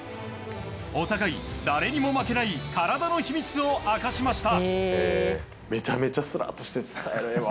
お互い誰にも負けない体の秘密を明かしました。